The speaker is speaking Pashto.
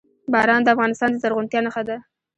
باران د افغانستان د زرغونتیا نښه ده.